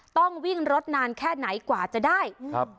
ต้องวิ่งรถนานแค่ไหนกว่าจะได้ครับ